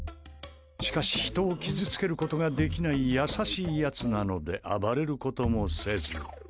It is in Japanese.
しかし人を傷つけることができない優しいやつなので暴れることもせず。